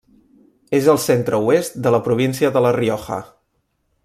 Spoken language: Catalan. És al centre-oest de la província de la Rioja.